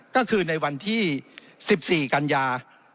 ก็คือในวันที่๑๔กรกฎา๒๕๖๓